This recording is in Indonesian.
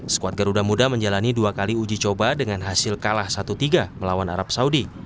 skuad garuda muda menjalani dua kali uji coba dengan hasil kalah satu tiga melawan arab saudi